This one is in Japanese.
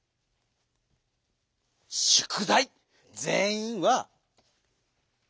「全員」は。